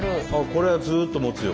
これはずっともつよ